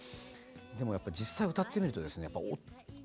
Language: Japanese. でもやっぱ実際歌ってみるとですね